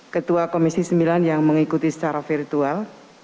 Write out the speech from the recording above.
ketua komisi sembilan yang mengikuti secara virtual